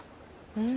うん？